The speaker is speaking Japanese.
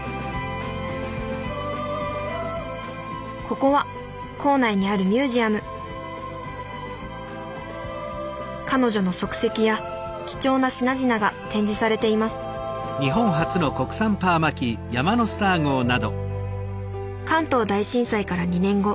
ここは校内にあるミュージアム彼女の足跡や貴重な品々が展示されています関東大震災から２年後。